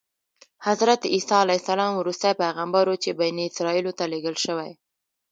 حضرت عیسی علیه السلام وروستی پیغمبر و چې بني اسرایلو ته لېږل شوی.